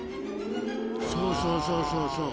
そうそうそうそう。